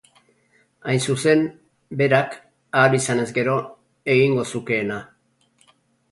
Hain zuzen, berak, ahal izanez gero, egingo zukeena.